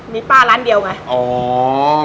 เป็นป้าร้านเดียวไง